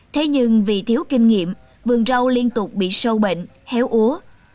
thế nhưng vì thiếu kinh nghiệm vườn rau liên tục bị sâu bệnh héo úa